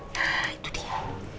nah itu dia